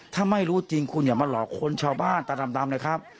ถ้าไม่รู้จริงคุณอย่ามาหลอกคนชาวบ้านตาดำเลยครับ